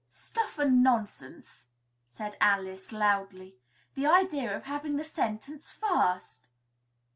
"Stuff and nonsense!" said Alice loudly. "The idea of having the sentence first!"